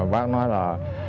bác nói là